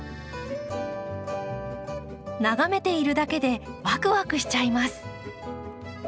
眺めているだけでワクワクしちゃいます。